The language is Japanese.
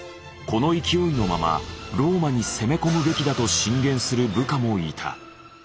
この勢いのままローマに攻め込むべきだと進言する部下もいた。